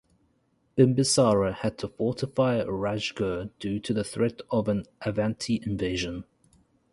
Bimbisara had to fortify Rajgir due to the threat of an Avanti invasion.